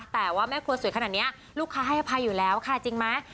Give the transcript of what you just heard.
แต่ว่าแม่ครัวสวยขนาดนี้ลูกค้าให้อภัยอยู่แล้วค่ะจริงไหม